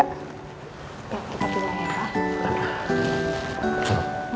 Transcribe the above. oke kita pindah ya pak